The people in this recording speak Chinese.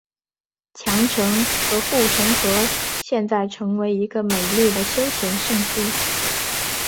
城墙和护城河现在成为一个美丽的休闲胜地。